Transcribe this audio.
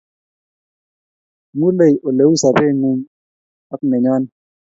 Ng'ulei ole uu sobeng'ung' ak nenyone